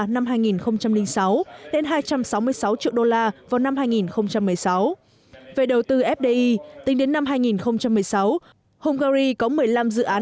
năm hai nghìn sáu lên hai trăm sáu mươi sáu triệu đô la vào năm hai nghìn một mươi sáu về đầu tư fdi tính đến năm hai nghìn một mươi sáu hungary có một mươi năm dự án